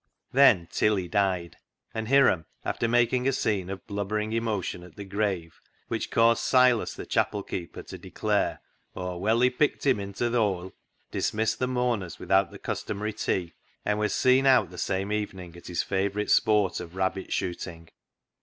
Then Tilly died, and Hiram, after making a scene of blubbering emotion at the grave which caused Silas the chapel keeper to declare, " Aw welly picked him into th' hoile," dismissed the mourners without the customary tea, and was seen out the same evening at his favourite sport of rabbit shooting.